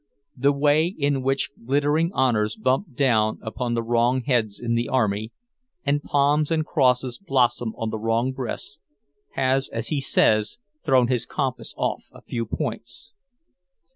The way in which glittering honours bump down upon the wrong heads in the army, and palms and crosses blossom on the wrong breasts, has, as he says, thrown his compass off a few points.